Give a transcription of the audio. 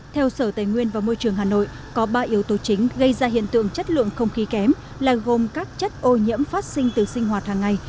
theo sở tài nguyên và môi trường hà nội có ba yếu tố chính gây ra hiện tượng chất lượng không khí kém là gồm các chất ô nhiễm phát sinh từ sinh hoạt hàng ngày